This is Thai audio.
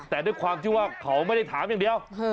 แต่ด้วยความที่ว่าเขาไม่ได้ถามอย่างเดียว